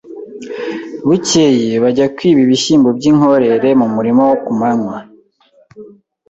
Bukeye bajya kwiba ibishyimbo by' inkorere mu murima ku manywa,